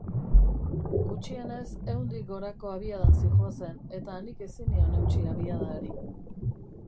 Gutxienez ehundik gorako abiadan zihoazen, eta nik ezin nion eutsi abiada hari.